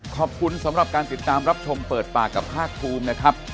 ขอบคุณสำหรับการติดตามรับชมเปิดปากกับภาคภูมินะครับ